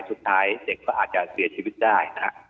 สุดท้ายเด็กก็อาจจะเสียชีวิตได้นะฮะ